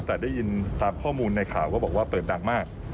แต่ได้ยินตามข้อมูลในข่าวก็บอกว่าเปิดดังมาก